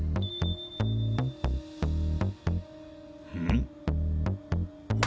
ん？